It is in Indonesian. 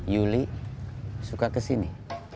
yuli suka kesini